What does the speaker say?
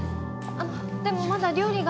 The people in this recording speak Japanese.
あっでもまだ料理が。